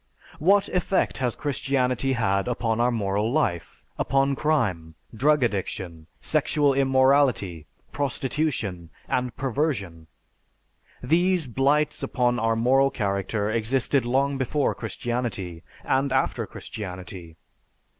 What effect has Christianity had upon our moral life, upon crime, drug addiction, sexual immorality, prostitution, and perversion? These blights upon our moral character existed long before Christianity, and after Christianity.